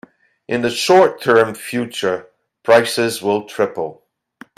In the short term future, prices will triple.